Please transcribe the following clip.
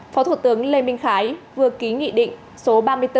phó thủ tướng lê minh khái vừa ký nghị định số ba mươi bốn